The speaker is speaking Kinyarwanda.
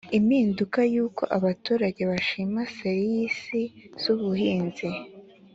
impinduka y uko abaturage bashima ser isi z ubuhinzi